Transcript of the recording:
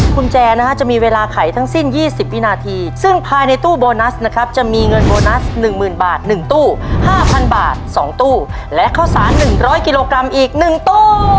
กุญแจนะฮะจะมีเวลาไขทั้งสิ้น๒๐วินาทีซึ่งภายในตู้โบนัสนะครับจะมีเงินโบนัส๑๐๐๐บาท๑ตู้๕๐๐บาท๒ตู้และข้าวสาร๑๐๐กิโลกรัมอีก๑ตู้